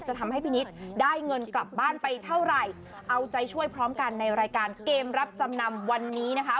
ทำให้พี่นิดได้เงินกลับบ้านไปเท่าไหร่เอาใจช่วยพร้อมกันในรายการเกมรับจำนำวันนี้นะคะ